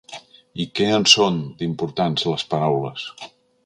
I que en són, d'importants, les paraules!